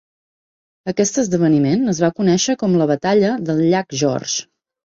Aquest esdeveniment es va conèixer com la batalla del llac George.